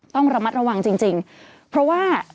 ต้องระมัดระวังจริงเพราะว่า